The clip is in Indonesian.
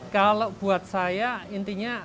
kalau buat saya intinya